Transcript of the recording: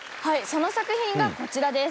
その作品がこちらです。